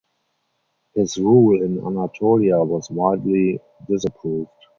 His rule in Anatolia was widely disapproved.